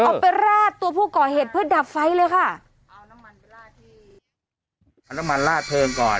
เอาไปราดตัวผู้ก่อเหตุเพื่อดับไฟเลยค่ะเอาน้ำมันไปลาดที่เอาน้ำมันลาดเพลิงก่อน